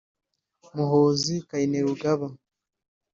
Muhoozi Kainerugaba